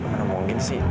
gak mungkin sih